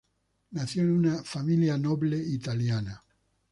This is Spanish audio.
Nació en una familia noble italiana.